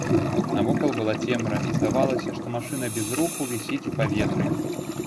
Навокал была цемра, і здавалася, што машына без руху вісіць у паветры.